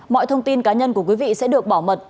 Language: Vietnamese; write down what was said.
mọi thông tin cá nhân của quý vị sẽ được bảo mật